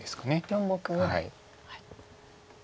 ４目ぐらい。